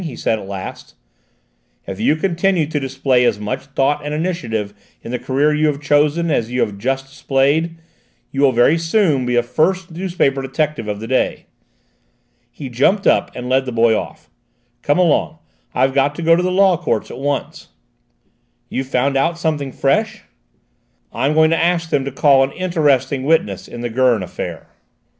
he said at last. "If you continue to display as much thought and initiative in the career you have chosen as you have just displayed, you will very soon be the first newspaper detective of the day!" He jumped up and led the boy off. "Come along: I've got to go to the Law Courts at once." "You've found out something fresh?" "I'm going to ask them to call an interesting witness in the Gurn affair."